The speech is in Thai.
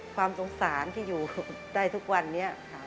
ความสงสารที่อยู่ได้ทุกวันนี้ค่ะ